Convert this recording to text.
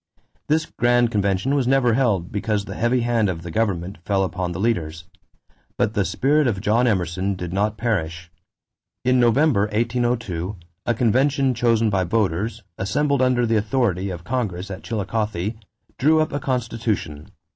This grand convention was never held because the heavy hand of the government fell upon the leaders; but the spirit of John Emerson did not perish. In November, 1802, a convention chosen by voters, assembled under the authority of Congress at Chillicothe, drew up a constitution.